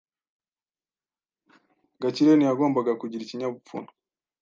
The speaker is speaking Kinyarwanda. Gakire ntiyagombaga kugira ikinyabupfura.